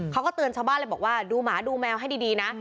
เขาก็เตือนชาวบ้านเลยบอกว่าดูหมาดูแมวให้ดีนะ